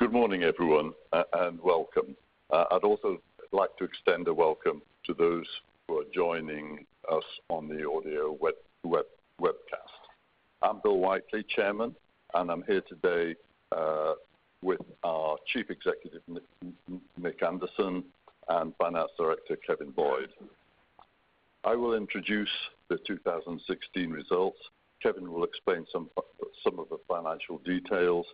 Good morning, everyone, and welcome. I'd also like to extend a welcome to those who are joining us on the audio webcast. I'm William Whiteley, Chairman, and I'm here today with our Chief Executive, Nicholas Anderson, and Finance Director, Kevin Boyd. I will introduce the 2016 results. Kevin will explain some of the financial details,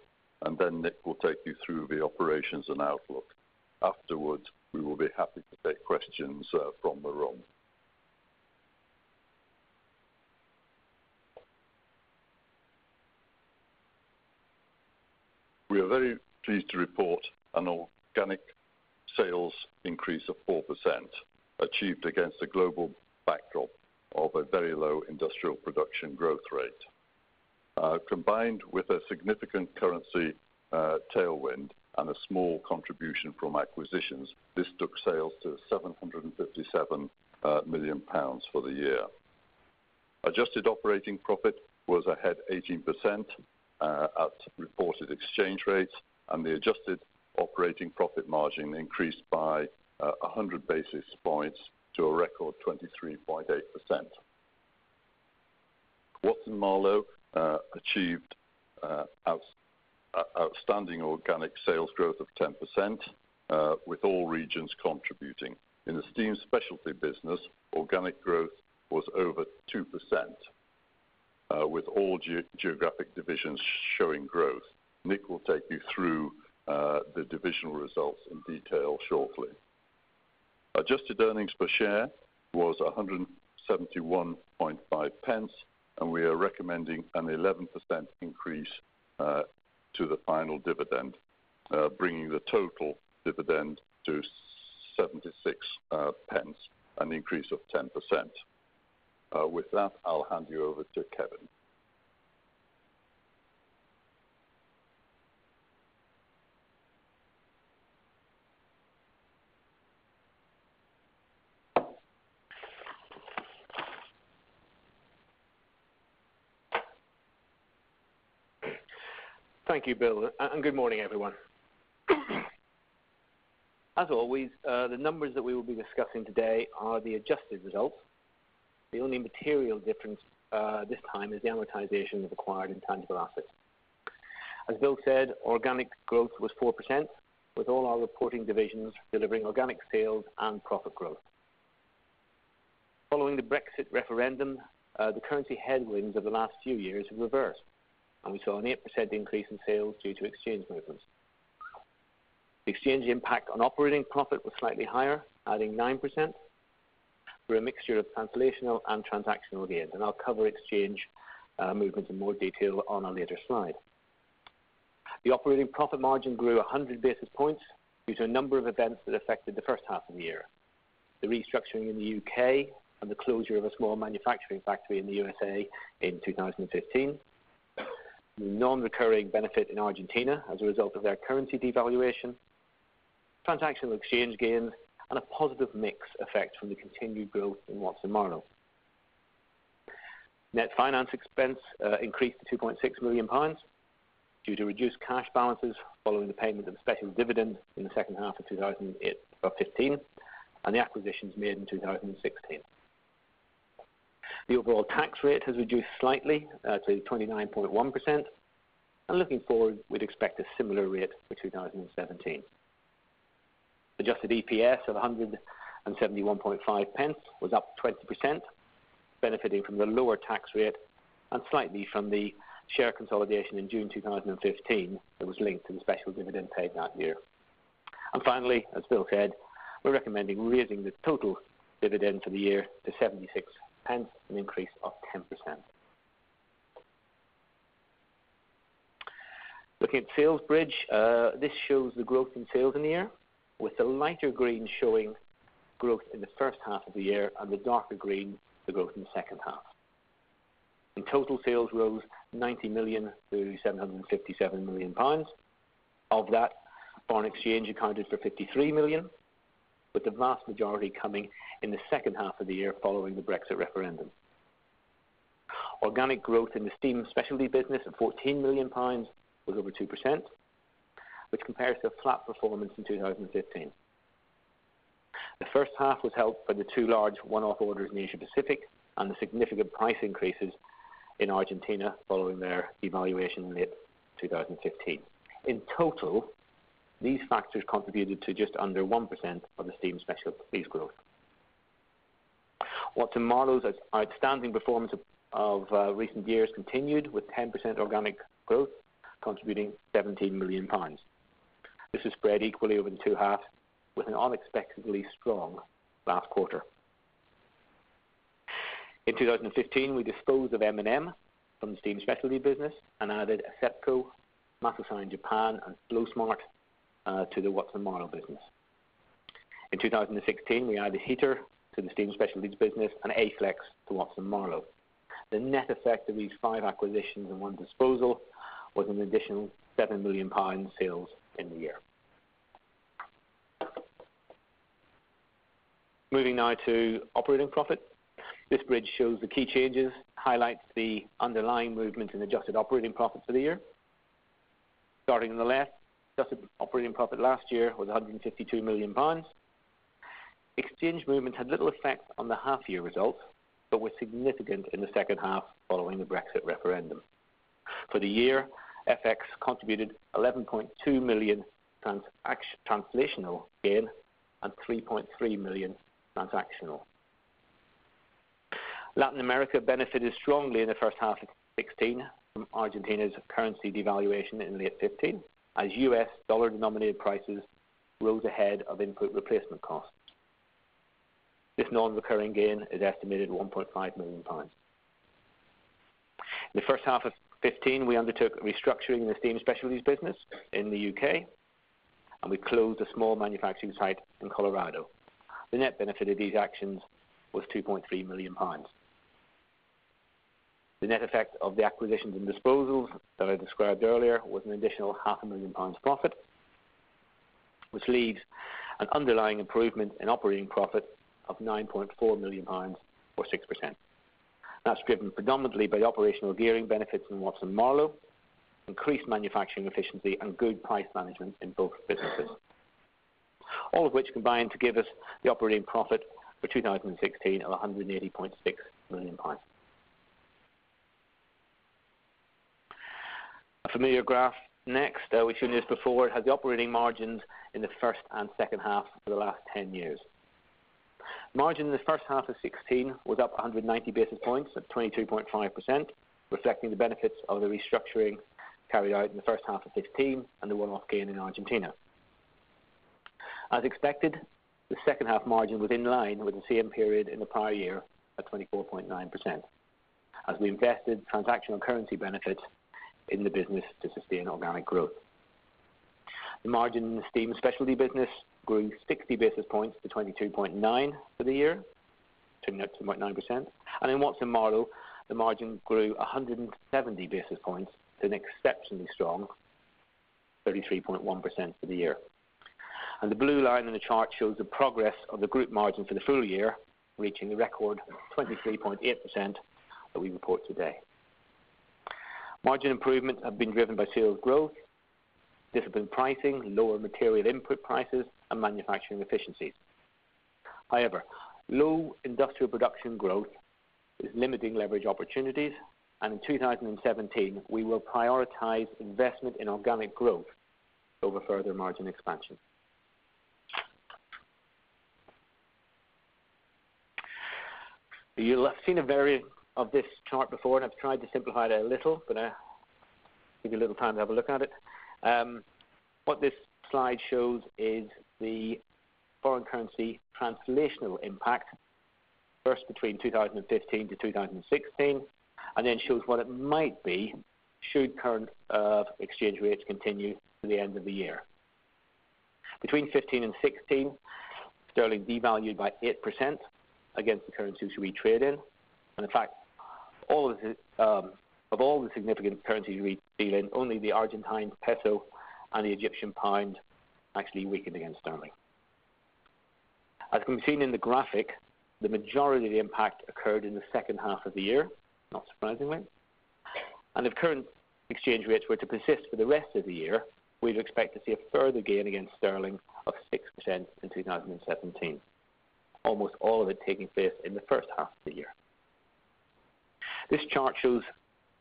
then Nick will take you through the operations and outlook. Afterwards, we will be happy to take questions from the room. We are very pleased to report an organic sales increase of 4% achieved against a global backdrop of a very low industrial production growth rate. Combined with a significant currency tailwind and a small contribution from acquisitions, this took sales to 757 million pounds for the year. Adjusted operating profit was ahead 18% at reported exchange rates, the adjusted operating profit margin increased by 100 basis points to a record 23.8%. Watson-Marlow achieved outstanding organic sales growth of 10% with all regions contributing. In the Steam Specialty business, organic growth was over 2% with all geographic divisions showing growth. Nick will take you through the divisional results in detail shortly. Adjusted earnings per share was 1.715, we are recommending an 11% increase to the final dividend, bringing the total dividend to 0.76, an increase of 10%. With that, I'll hand you over to Kevin. Thank you, Bill, good morning, everyone. As always, the numbers that we will be discussing today are the adjusted results. The only material difference this time is the amortization of acquired intangible assets. As Bill said, organic growth was 4%, with all our reporting divisions delivering organic sales and profit growth. Following the Brexit referendum, the currency headwinds of the last few years have reversed, we saw an 8% increase in sales due to exchange movements. The exchange impact on operating profit was slightly higher, adding 9% through a mixture of translational and transactional gains. I'll cover exchange movements in more detail on a later slide. The operating profit margin grew 100 basis points due to a number of events that affected the first half of the year. The restructuring in the U.K. and the closure of a small manufacturing factory in the U.S.A. in 2015. The non-recurring benefit in Argentina as a result of their currency devaluation. Transaction exchange gains, a positive mix effect from the continued growth in Watson-Marlow. Net finance expense increased to 2.6 million pounds due to reduced cash balances following the payment of special dividend in the second half of 2015 and the acquisitions made in 2016. The overall tax rate has reduced slightly to 29.1%, looking forward, we'd expect a similar rate for 2017. Adjusted EPS of 1.715 was up 20%, benefiting from the lower tax rate and slightly from the share consolidation in June 2015 that was linked to the special dividend paid that year. Finally, as Bill said, we're recommending raising the total dividend for the year to 0.76, an increase of 10%. Looking at the sales bridge, this shows the growth in sales in the year with the lighter green showing growth in the first half of the year and the darker green, the growth in the second half. In total, sales rose 90 million to 757 million pounds. Of that, foreign exchange accounted for 53 million, with the vast majority coming in the second half of the year following the Brexit referendum. Organic growth in the Steam Specialties business of 14 million pounds was over 2%, which compares to a flat performance in 2015. The first half was helped by the two large one-off orders in the Asia Pacific and the significant price increases in Argentina following their devaluation in late 2015. In total, these factors contributed to just under 1% of the Steam Specialties growth. Watson-Marlow's outstanding performance of recent years continued with 10% organic growth contributing 17 million pounds. This is spread equally over the two halves with an unexpectedly strong last quarter. In 2015, we disposed of M&M from the Steam Specialties business and added Asepco, MasoSine Japan, and Flow Smart to the Watson-Marlow business. In 2016, we added Hiter to the Steam Specialties business and Aflex to Watson-Marlow. The net effect of these 5 acquisitions and one disposal was an additional 7 million pounds sales in the year. Moving now to operating profit. This bridge shows the key changes, highlights the underlying movement in adjusted operating profit for the year. Starting on the left, adjusted operating profit last year was 152 million pounds. Exchange movement had little effect on the half year results, but was significant in the second half following the Brexit referendum. For the year, FX contributed 11.2 million translational gain and 3.3 million transactional. Latin America benefited strongly in the first half of 2016 from Argentina's currency devaluation in late 2015, as US dollar denominated prices rose ahead of input replacement costs. This non-recurring gain is estimated 1.5 million pounds. In the first half of 2015, we undertook restructuring in the Steam Specialties business in the U.K., and we closed a small manufacturing site in Colorado. The net benefit of these actions was 2.3 million pounds. The net effect of the acquisitions and disposals that I described earlier was an additional half a million GBP profit, which leaves an underlying improvement in operating profit of 9.4 million pounds, or 6%. That's driven predominantly by the operational gearing benefits from Watson-Marlow, increased manufacturing efficiency, and good price management in both businesses. All of which combine to give us the operating profit for 2016 of 180.6 million pounds. A familiar graph next. We've shown you this before. It has the operating margins in the first and second half for the last 10 years. Margin in the first half of 2016 was up 190 basis points at 22.5%, reflecting the benefits of the restructuring carried out in the first half of 2015 and the one-off gain in Argentina. As expected, the second half margin was in line with the same period in the prior year at 24.9% as we invested transactional currency benefits in the business to sustain organic growth. The margin in the Steam Specialties business grew 60 basis points to 22.9 for the year, turning out 2.9%. In Watson-Marlow, the margin grew 170 basis points to an exceptionally strong 33.1% for the year. The blue line on the chart shows the progress of the group margin for the full year, reaching the record 23.8% that we report today. Margin improvements have been driven by sales growth, disciplined pricing, lower material input prices, and manufacturing efficiencies. However, low industrial production growth is limiting leverage opportunities, and in 2017, we will prioritize investment in organic growth over further margin expansion. You'll have seen a variant of this chart before, and I've tried to simplify it a little, but I'll give you a little time to have a look at it. What this slide shows is the foreign currency translational impact, first between 2015 to 2016, and then shows what it might be should current exchange rates continue to the end of the year. Between 2015 and 2016, sterling devalued by 8% against the currencies we trade in. In fact, of all the significant currencies we deal in, only the Argentine peso and the Egyptian pound actually weakened against sterling. As can be seen in the graphic, the majority of the impact occurred in the second half of the year, not surprisingly. If current exchange rates were to persist for the rest of the year, we'd expect to see a further gain against sterling of 6% in 2017, almost all of it taking place in the first half of the year. This chart shows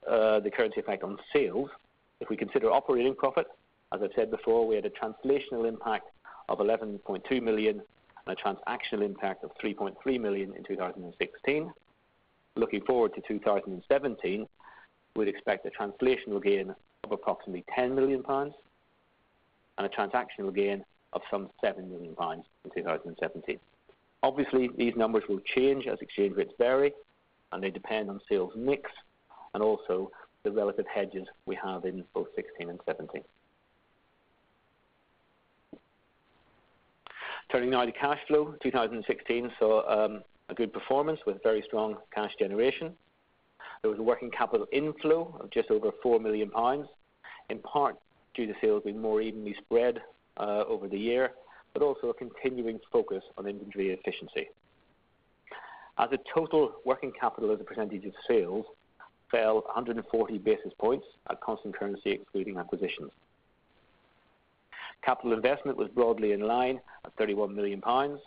the currency effect on sales. If we consider operating profit, as I've said before, we had a translational impact of 11.2 million and a transactional impact of 3.3 million in 2016. Looking forward to 2017, we'd expect a translational gain of approximately 10 million pounds and a transactional gain of some 7 million pounds in 2017. Obviously, these numbers will change as exchange rates vary, and they depend on sales mix and also the relative hedges we have in both 2016 and 2017. Turning now to cash flow, 2016 saw a good performance with very strong cash generation. There was a working capital inflow of just over 4 million pounds, in part due to sales being more evenly spread over the year, but also a continuing focus on inventory efficiency. As a total, working capital as a percentage of sales fell 140 basis points at constant currency, excluding acquisitions. Capital investment was broadly in line at 31 million pounds.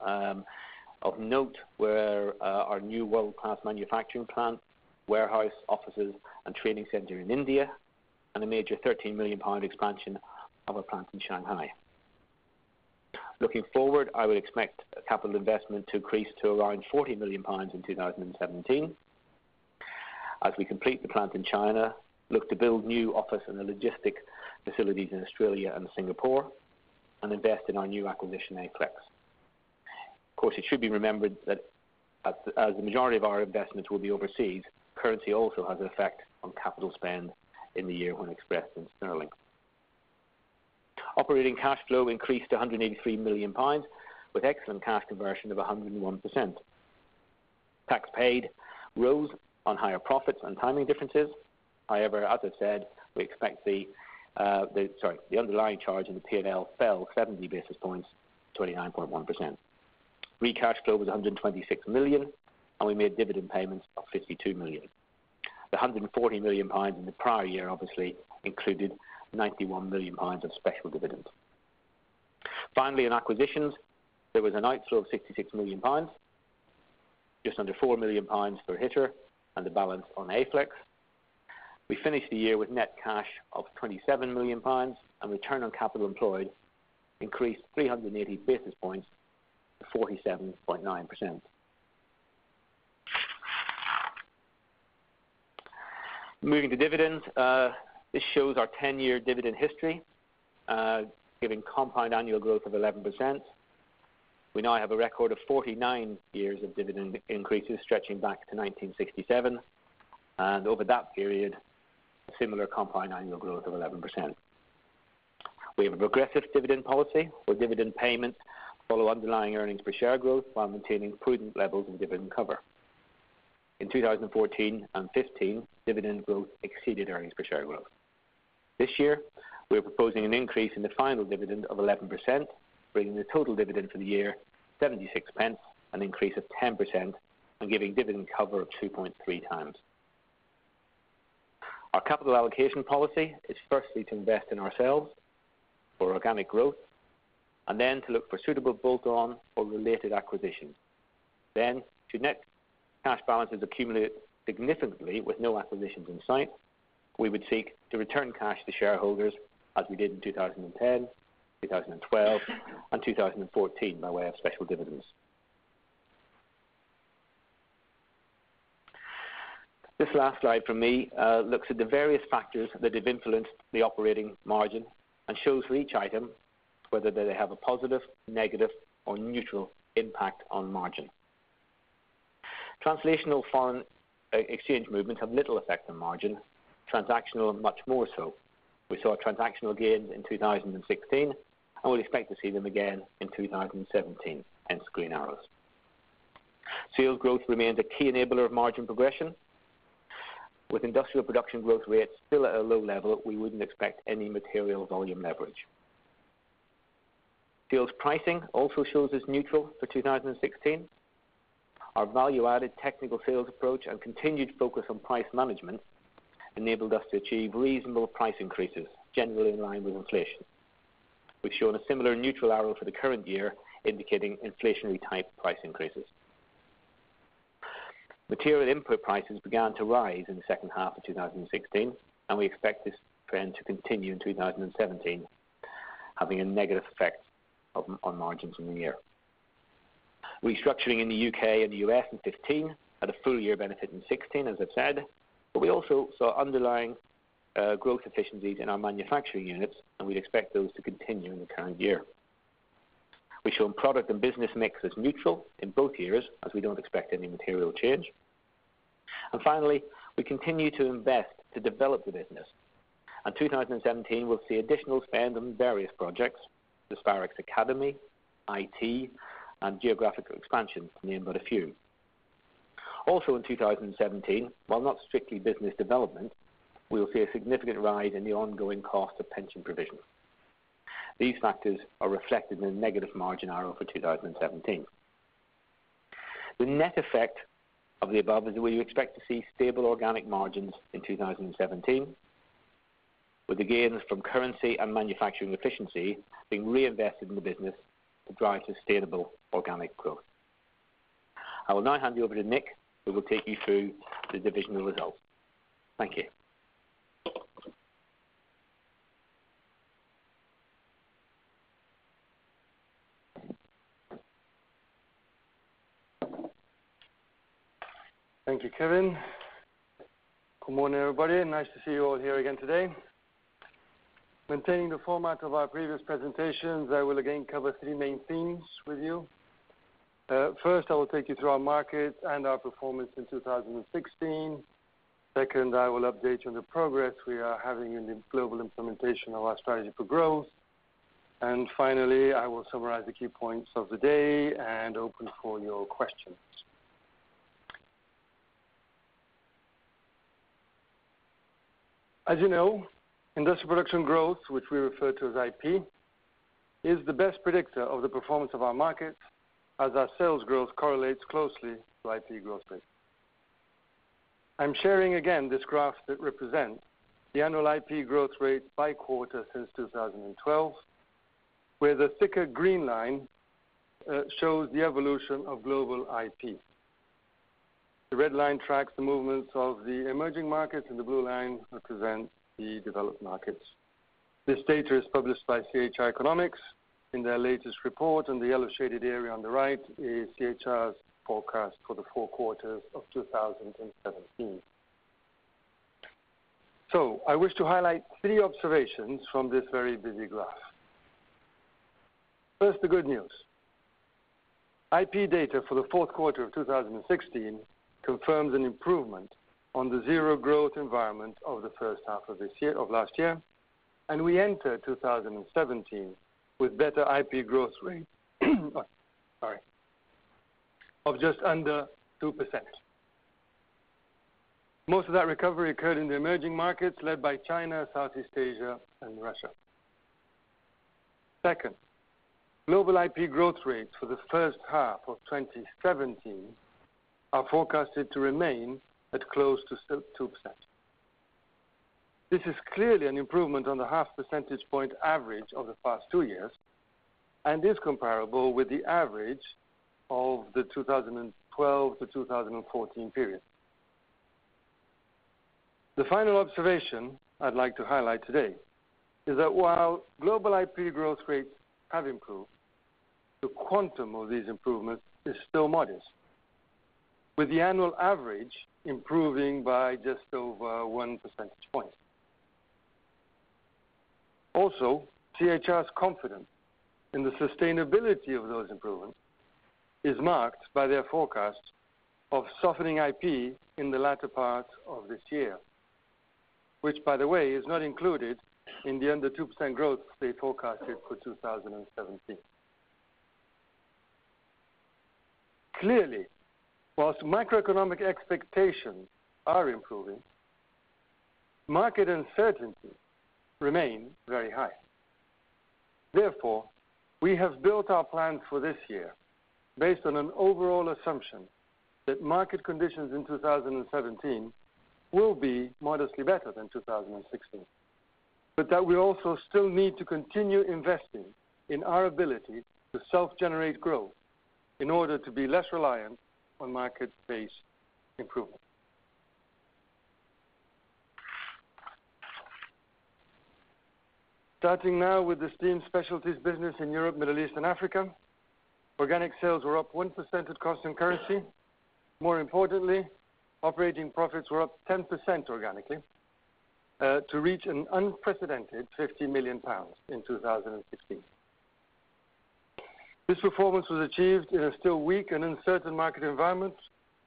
Of note were our new world-class manufacturing plant, warehouse, offices, and training center in India, and a major 13 million pound expansion of our plant in Shanghai. Looking forward, I would expect capital investment to increase to around 40 million pounds in 2017 as we complete the plant in China, look to build new office and logistic facilities in Australia and Singapore, and invest in our new acquisition, Aflex. Of course, it should be remembered that as the majority of our investments will be overseas, currency also has an effect on capital spend in the year when expressed in sterling. Operating cash flow increased to 183 million pounds with excellent cash conversion of 101%. Tax paid rose on higher profits and timing differences. However, as I said, we expect the underlying charge in the P&L fell 70 basis points to 29.1%. Free cash flow was 126 million, and we made dividend payments of 52 million. The 140 million pounds in the prior year obviously included 91 million pounds of special dividends. Finally, in acquisitions, there was an outflow of 66 million pounds, just under 4 million pounds for Hiter and the balance on Aflex. We finished the year with net cash of 27 million pounds and return on capital employed increased 380 basis points to 47.9%. Moving to dividends. This shows our 10-year dividend history, giving compound annual growth of 11%. We now have a record of 49 years of dividend increases stretching back to 1967. Over that period, a similar compound annual growth of 11%. We have a progressive dividend policy where dividend payments follow underlying earnings per share growth while maintaining prudent levels in dividend cover. In 2014 and 2015, dividend growth exceeded earnings per share growth. This year, we are proposing an increase in the final dividend of 11%, bringing the total dividend for the year 0.76, an increase of 10% and giving dividend cover of 2.3 times. Our capital allocation policy is firstly to invest in ourselves for organic growth, then to look for suitable bolt-on or related acquisitions. Should net cash balances accumulate significantly with no acquisitions in sight, we would seek to return cash to shareholders as we did in 2010, 2012, and 2014, by way of special dividends. This last slide from me looks at the various factors that have influenced the operating margin and shows for each item whether they have a positive, negative, or neutral impact on margin. Translational foreign exchange movements have little effect on margin, transactional much more so. We saw transactional gains in 2016. We expect to see them again in 2017, hence green arrows. Sales growth remains a key enabler of margin progression. With industrial production growth rates still at a low level, we wouldn't expect any material volume leverage. Sales pricing also shows as neutral for 2016. Our value-added technical sales approach and continued focus on price management enabled us to achieve reasonable price increases, generally in line with inflation. We've shown a similar neutral arrow for the current year, indicating inflationary type price increases. Material input prices began to rise in the second half of 2016. We expect this trend to continue in 2017, having a negative effect on margins in the year. Restructuring in the U.K. and the U.S. in 2015 had a full year benefit in 2016, as I've said. We also saw underlying growth efficiencies in our manufacturing units. We expect those to continue in the current year. We show product and business mix as neutral in both years as we don't expect any material change. Finally, we continue to invest to develop the business. 2017 will see additional spend on various projects, the Spirax Academy, IT, and geographical expansion, to name but a few. Also in 2017, while not strictly business development, we will see a significant rise in the ongoing cost of pension provisions. These factors are reflected in the negative margin arrow for 2017. The net effect of the above is we expect to see stable organic margins in 2017 with the gains from currency and manufacturing efficiency being reinvested in the business to drive sustainable organic growth. I will now hand you over to Nick, who will take you through the divisional results. Thank you. Thank you, Kevin. Good morning, everybody. Nice to see you all here again today. Maintaining the format of our previous presentations, I will again cover 3 main themes with you. First, I will take you through our markets and our performance in 2016. Second, I will update you on the progress we are having in the global implementation of our strategy for growth. Finally, I will summarize the key points of the day and open for your questions. As you know, industrial production growth, which we refer to as IP, is the best predictor of the performance of our markets as our sales growth correlates closely to IP growth rate. I'm sharing again this graph that represents the annual IP growth rate by quarter since 2012, where the thicker green line shows the evolution of global IP. The red line tracks the movements of the emerging markets. The blue line represents the developed markets. This data is published by IHS Economics in their latest report. The yellow shaded area on the right is IHS's forecast for the four quarters of 2017. I wish to highlight three observations from this very busy graph. First, the good news. IP data for the fourth quarter of 2016 confirms an improvement on the zero-growth environment of the first half of last year. We enter 2017 with better IP growth rate, sorry, of just under 2%. Most of that recovery occurred in the emerging markets led by China, Southeast Asia, and Russia. Second, global IP growth rates for the first half of 2017 are forecasted to remain at close to 2%. This is clearly an improvement on the half percentage point average of the past two years and is comparable with the average of the 2012 to 2014 period. The final observation I'd like to highlight today is that while global IP growth rates have improved, the quantum of these improvements is still modest. With the annual average improving by just over one percentage point. IHS is confident in the sustainability of those improvements is marked by their forecast of softening IP in the latter part of this year, which by the way, is not included in the under 2% growth they forecasted for 2017. Clearly, whilst macroeconomic expectations are improving, market uncertainty remains very high. We have built our plan for this year based on an overall assumption that market conditions in 2017 will be modestly better than 2016, that we also still need to continue investing in our ability to self-generate growth in order to be less reliant on market-based improvement. Starting now with the Steam Specialties business in Europe, Middle East, and Africa. Organic sales were up 1% at constant currency. More importantly, operating profits were up 10% organically, to reach an unprecedented 50 million pounds in 2016. This performance was achieved in a still weak and uncertain market environment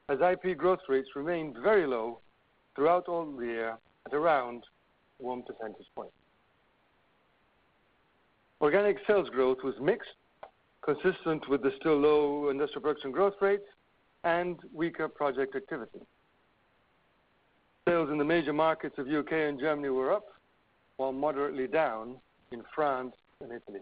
as IP growth rates remained very low throughout all the year at around one percentage point. Organic sales growth was mixed, consistent with the still low industrial production growth rates and weaker project activity. Sales in the major markets of U.K. and Germany were up, while moderately down in France and Italy.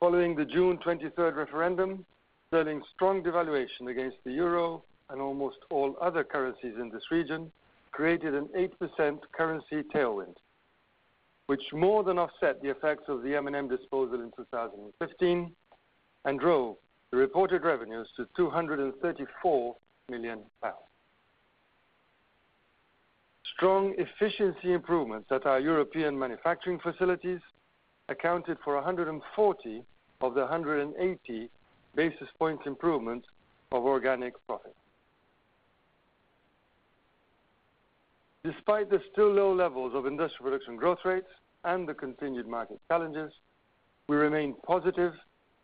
Following the June 23rd referendum, Sterling's strong devaluation against the EUR and almost all other currencies in this region created an 8% currency tailwind, which more than offset the effects of the M&M disposal in 2015 and drove the reported revenues to 234 million pounds. Strong efficiency improvements at our European manufacturing facilities accounted for 140 of the 180 basis points improvements of organic profit. Despite the still low levels of industrial production growth rates and the continued market challenges, we remain positive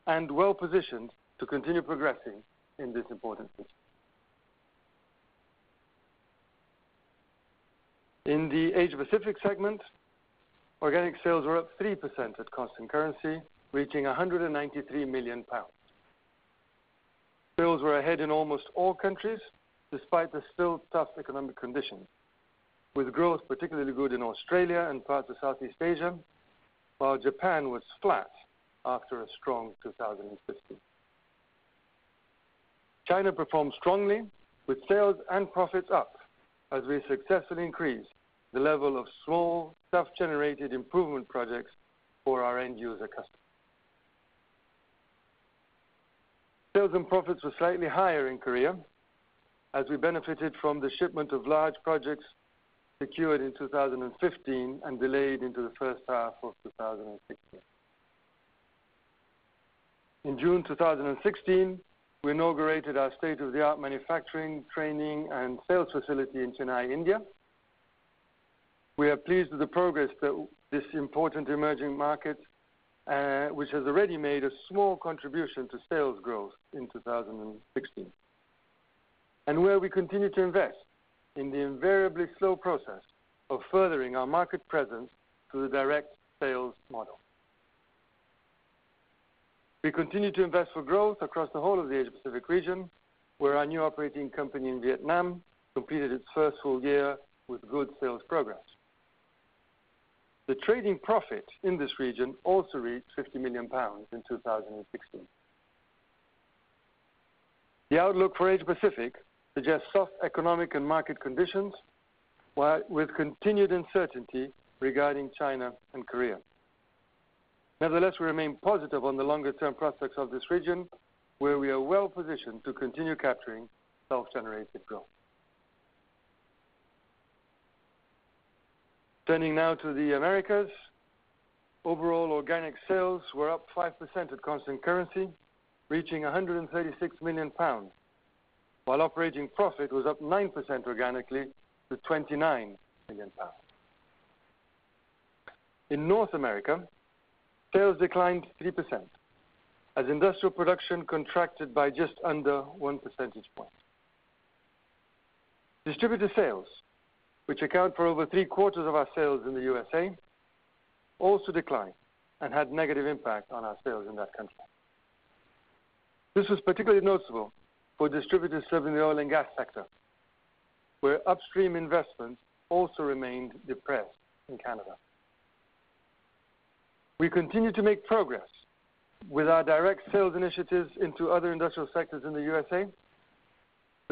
and well-positioned to continue progressing in this important business. In the Asia Pacific segment, organic sales were up 3% at constant currency, reaching 193 million pounds. Sales were ahead in almost all countries, despite the still tough economic conditions, with growth particularly good in Australia and parts of Southeast Asia, while Japan was flat after a strong 2015. China performed strongly with sales and profits up as we successfully increased the level of small self-generated improvement projects for our end user customers. Sales and profits were slightly higher in Korea as we benefited from the shipment of large projects secured in 2015 and delayed into the first half of 2016. In June 2016, we inaugurated our state-of-the-art manufacturing, training, and sales facility in Chennai, India. We are pleased with the progress that this important emerging market, which has already made a small contribution to sales growth in 2016, and where we continue to invest in the invariably slow process of furthering our market presence through the direct sales model. We continue to invest for growth across the whole of the Asia Pacific region, where our new operating company in Vietnam completed its first full year with good sales progress. The trading profit in this region also reached 50 million pounds in 2016. The outlook for Asia Pacific suggests soft economic and market conditions with continued uncertainty regarding China and Korea. We remain positive on the longer-term prospects of this region, where we are well-positioned to continue capturing self-generated growth. Turning now to the Americas. Overall organic sales were up 5% at constant currency, reaching 136 million pounds. While operating profit was up 9% organically to 29 million pounds. In North America, sales declined 3% as industrial production contracted by just under one percentage point. Distributor sales, which account for over three quarters of our sales in the U.S.A., also declined and had negative impact on our sales in that country. This was particularly noticeable for distributors serving the oil and gas sector, where upstream investments also remained depressed in Canada. We continue to make progress with our direct sales initiatives into other industrial sectors in the U.S.A.,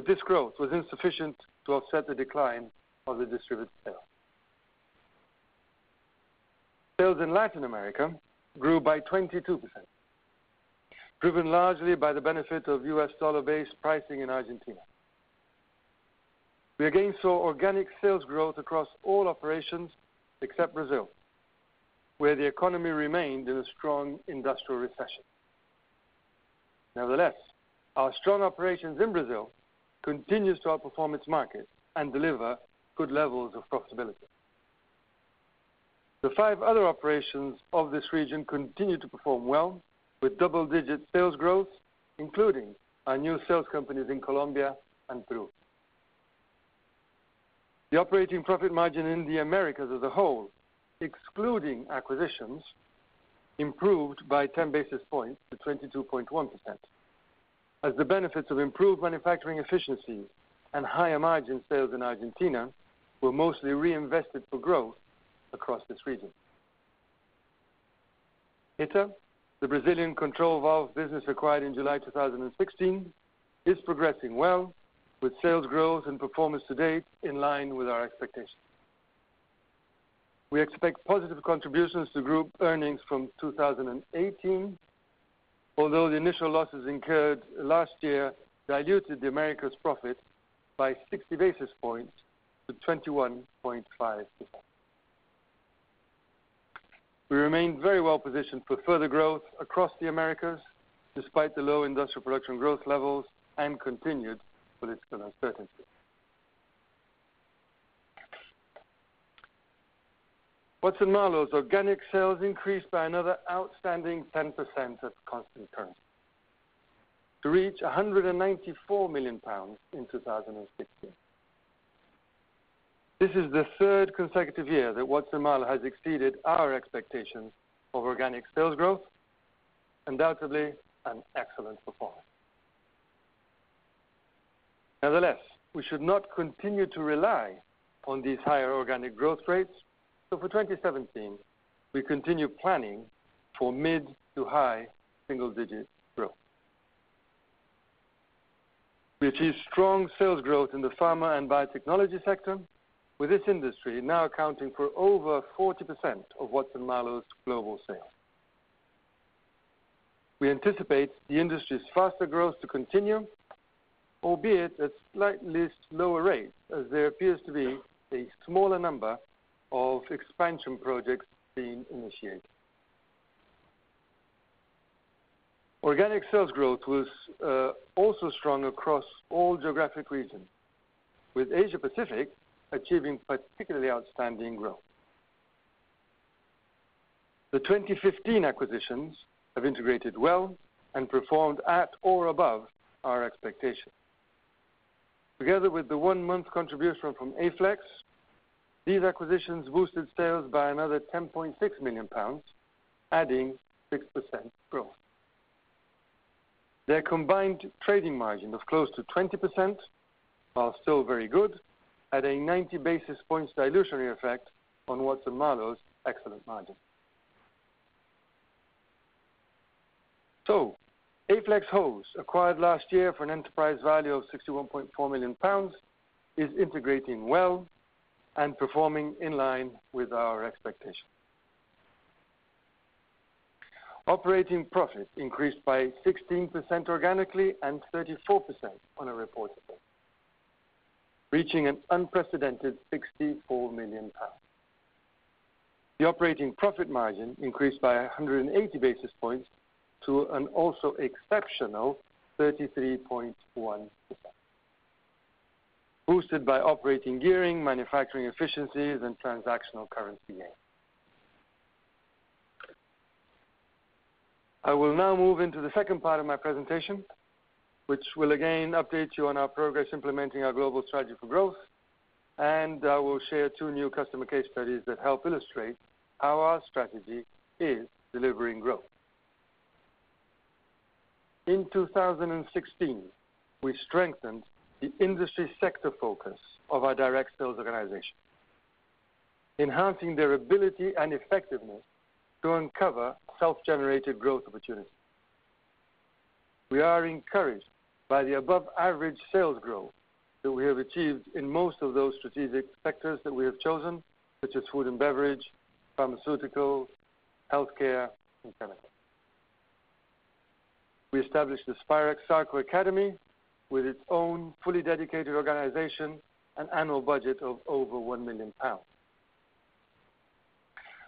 this growth was insufficient to offset the decline of the distributor sales. Sales in Latin America grew by 22%, driven largely by the benefit of US dollar-based pricing in Argentina. We again saw organic sales growth across all operations except Brazil, where the economy remained in a strong industrial recession. Our strong operations in Brazil continues to outperform its market and deliver good levels of profitability. The five other operations of this region continue to perform well with double-digit sales growth, including our new sales companies in Colombia and Peru. The operating profit margin in the Americas as a whole, excluding acquisitions, improved by 10 basis points to 22.1%, as the benefits of improved manufacturing efficiencies and higher margin sales in Argentina were mostly reinvested for growth across this region. Hiter, the Brazilian control valve business acquired in July 2016, is progressing well with sales growth and performance to date in line with our expectations. We expect positive contributions to group earnings from 2018, although the initial losses incurred last year diluted the America's profit by 60 basis points to 21.5%. We remain very well positioned for further growth across the Americas, despite the low industrial production growth levels and continued political uncertainty. Watson-Marlow's organic sales increased by another outstanding 10% at constant currency to reach GBP 194 million in 2016. This is the third consecutive year that Watson-Marlow has exceeded our expectations of organic sales growth, undoubtedly an excellent performance. Nevertheless, we should not continue to rely on these higher organic growth rates. For 2017, we continue planning for mid to high single-digit growth. We achieved strong sales growth in the pharma and biotechnology sector, with this industry now accounting for over 40% of Watson-Marlow's global sales. We anticipate the industry's faster growth to continue, albeit at slightly lower rates, as there appears to be a smaller number of expansion projects being initiated. Organic sales growth was also strong across all geographic regions, with Asia-Pacific achieving particularly outstanding growth. The 2015 acquisitions have integrated well and performed at or above our expectations. Together with the one-month contribution from Aflex, these acquisitions boosted sales by another 10.6 million pounds, adding 6% growth. Their combined trading margin of close to 20% are still very good at a 90 basis points dilutionary effect on Watson-Marlow's excellent margin. Aflex Hose, acquired last year for an enterprise value of 61.4 million pounds, is integrating well and performing in line with our expectations. Operating profit increased by 16% organically and 34% on a reportable, reaching an unprecedented 64 million pounds. The operating profit margin increased by 180 basis points to an also exceptional 33.1%, boosted by operating gearing, manufacturing efficiencies, and transactional currency gain. I will now move into the second part of my presentation, which will again update you on our progress implementing our global strategy for growth, and I will share two new customer case studies that help illustrate how our strategy is delivering growth. In 2016, we strengthened the industry sector focus of our direct sales organization, enhancing their ability and effectiveness to uncover self-generated growth opportunities. We are encouraged by the above-average sales growth that we have achieved in most of those strategic sectors that we have chosen, such as food and beverage, pharmaceutical, health care, and chemical. We established the Spirax Sarco Academy with its own fully dedicated organization and annual budget of over 1 million pounds.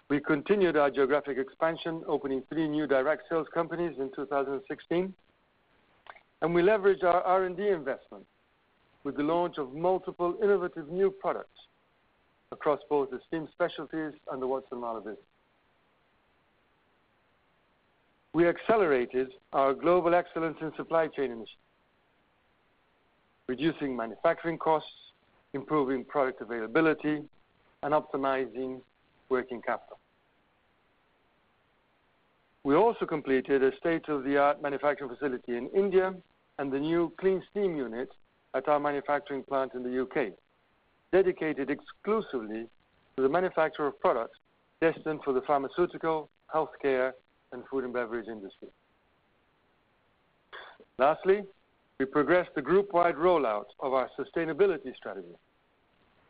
We continued our geographic expansion, opening three new direct sales companies in 2016. We leverage our R&D investment with the launch of multiple innovative new products across both the steam specialties and the Watson-Marlow business. We accelerated our Global Excellence in Supply Chain Initiative, reducing manufacturing costs, improving product availability, and optimizing working capital. We also completed a state-of-the-art manufacturing facility in India and the new clean steam unit at our manufacturing plant in the U.K., dedicated exclusively to the manufacture of products destined for the pharmaceutical, healthcare, and food and beverage industry. Lastly, we progressed the group-wide rollout of our sustainability strategy,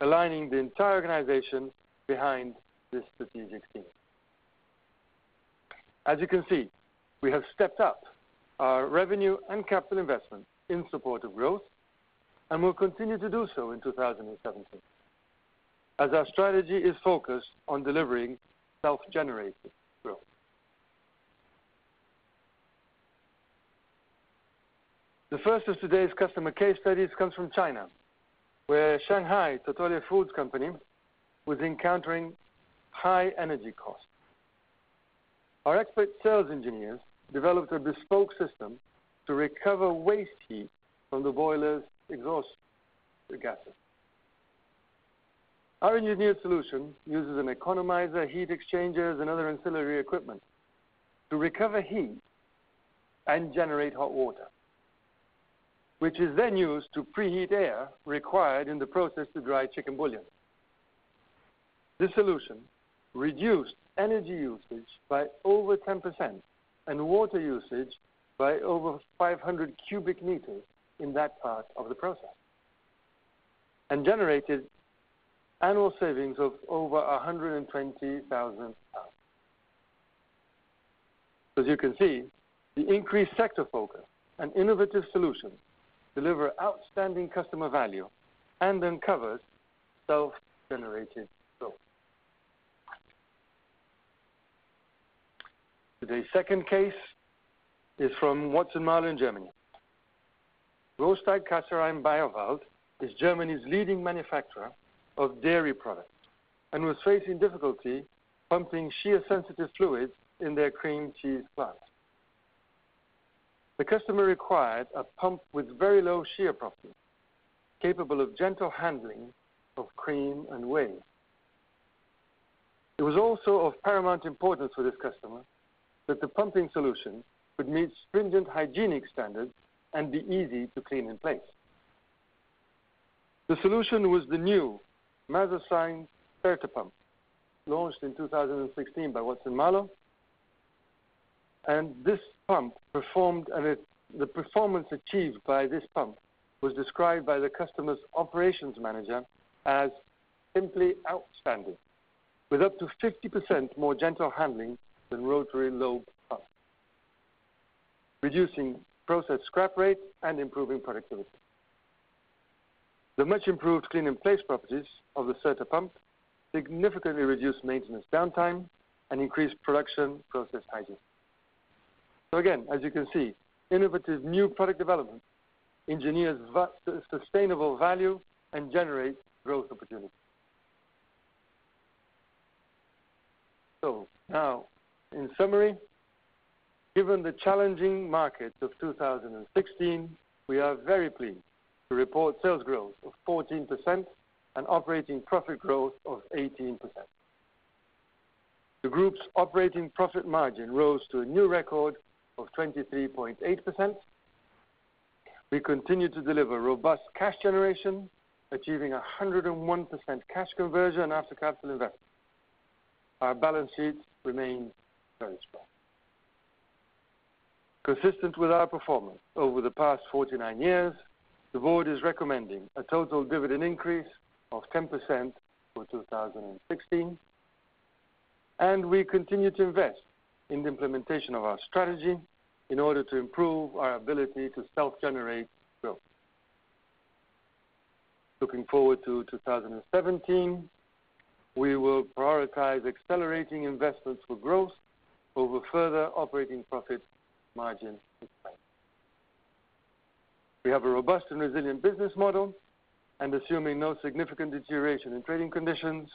aligning the entire organization behind this strategic theme. As you can see, we have stepped up our revenue and capital investment in support of growth. We will continue to do so in 2017. Our strategy is focused on delivering self-generated growth. The first of today's customer case studies comes from China, where Shanghai Totole Foods company was encountering high energy costs. Our expert sales engineers developed a bespoke system to recover waste heat from the boiler's exhaust gases. Our engineered solution uses an economizer, heat exchangers, and other ancillary equipment to recover heat and generate hot water, which is then used to preheat air required in the process to dry chicken bouillon. This solution reduced energy usage by over 10% and water usage by over 500 cubic meters in that part of the process. Generated annual savings of over 120,000 tons. As you can see, the increased sector focus and innovative solutions deliver outstanding customer value and uncovers self-generated growth. The second case is from Watson-Marlow in Germany. Rostag Kaserine Bioval is Germany's leading manufacturer of dairy products and was facing difficulty pumping shear-sensitive fluids in their cream cheese plant. The customer required a pump with very low shear properties, capable of gentle handling of cream and whey. It was also of paramount importance for this customer that the pumping solution would meet stringent hygienic standards and be easy to clean-in-place. The solution was the new MasoSine Certa pump, launched in 2016 by Watson-Marlow. The performance achieved by this pump was described by the customer's operations manager as simply outstanding, with up to 50% more gentle handling than rotary lobe pumps, reducing process scrap rate and improving productivity. The much-improved clean-in-place properties of the Certa pump significantly reduced maintenance downtime and increased production process hygiene. Again, as you can see, innovative new product development engineers sustainable value and generates growth opportunities. Now, in summary, given the challenging market of 2016, we are very pleased to report sales growth of 14% and operating profit growth of 18%. The group's operating profit margin rose to a new record of 23.8%. We continue to deliver robust cash generation, achieving 101% cash conversion after capital investment. Our balance sheet remains very strong. Consistent with our performance over the past 49 years, the board is recommending a total dividend increase of 10% for 2016. We continue to invest in the implementation of our strategy in order to improve our ability to self-generate growth. Looking forward to 2017, we will prioritize accelerating investments for growth over further operating profit margin expansion. We have a robust and resilient business model. Assuming no significant deterioration in trading conditions,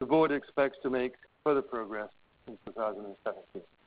the board expects to make further progress in 2017.